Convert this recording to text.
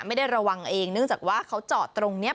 ไม่ได้ระวังเองเนื่องจากว่าเขาจอดตรงนี้